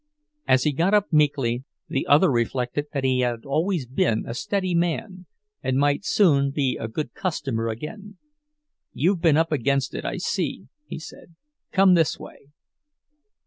As he got up meekly, the other reflected that he had always been a steady man, and might soon be a good customer again. "You've been up against it, I see," he said. "Come this way."